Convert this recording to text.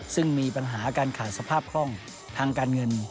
ซึ่งมีปัญหาการขาดสภาพคล่องทางการเงิน